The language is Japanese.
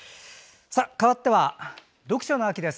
かわっては読書の秋です。